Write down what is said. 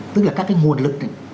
tức là các cái nguồn lực đấy